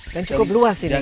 dan cukup luas ini kan